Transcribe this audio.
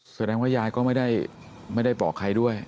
แสดงว่ายายก็ไม่ได้บอกใครด้วย